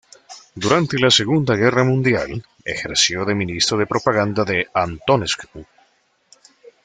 Durante la segunda guerra mundial ejerció de ministro de Propaganda de Antonescu.